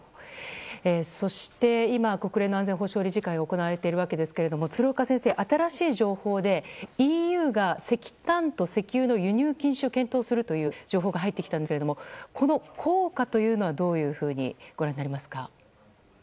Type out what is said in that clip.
そして、今国連の安全保障理事会が行われているわけですが鶴岡先生新しい情報でＥＵが石炭と石油の輸入禁止を検討するという情報が入ってきたんですがこの効果というのはどういうふうにご覧になりますか。